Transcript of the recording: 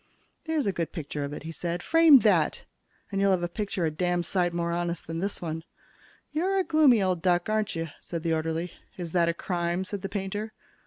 "There's a good picture of it," he said. "Frame that, and you'll have a picture a damn sight more honest than this one." "You're a gloomy old duck, aren't you?" said the orderly. "Is that a crime?" said the painter.